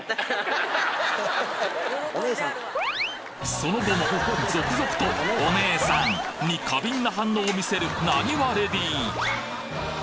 その後も続々と「お姉さん」に過敏な反応を見せるなにわレディ